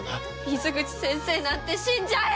水口先生なんて死んじゃえ！